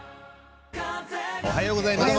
おはようございます。